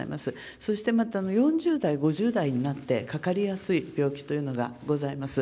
そしてまた４０代、５０代になって、かかりやすい病気というのがございます。